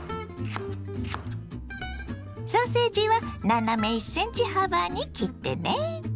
ソーセージは斜め１ｃｍ幅に切ってね。